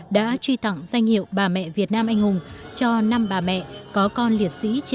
đã truy tặng danh hiệu bà mẹ việt nam anh hùng cho năm bà mẹ